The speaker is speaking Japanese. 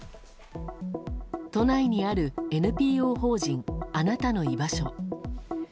都内にあるＮＰＯ法人あなたのいばしょ。